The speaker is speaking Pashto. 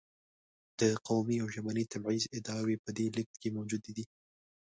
د قومي او ژبني تبعیض ادعاوې په دې لېږد کې موجودې دي.